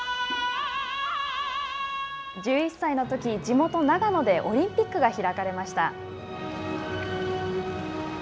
１１歳のとき地元長野でオリンピックが開かれました。